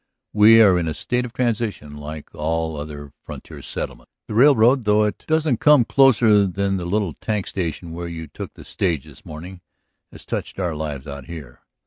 We are in a state of transition, like all other frontier settlements. The railroad, though it doesn't come closer than the little tank station where you took the stage this morning, has touched our lives out here.